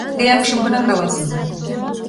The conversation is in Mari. Те акшым гына каласыза...